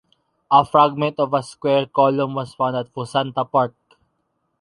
A fragment of a square column was found at Fuensanta park.